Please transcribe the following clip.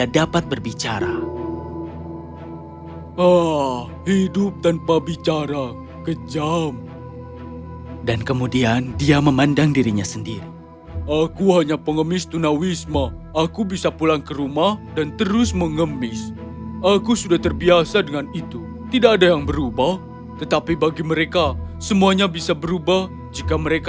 dan kemudian dia memandang dirinya sendiri